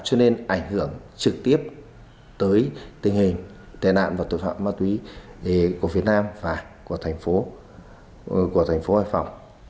cho nên ảnh hưởng trực tiếp tới tình hình tài nạn và tội phạm ma túy của việt nam và của tp hải phòng